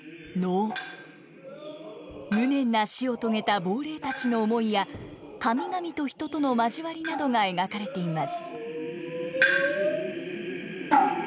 無念な死を遂げた亡霊たちの思いや神々と人との交わりなどが描かれています。